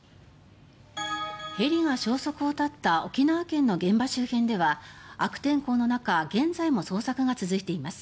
ヘリが消息を絶った沖縄県の現場周辺では悪天候の中現在も捜索が続いています。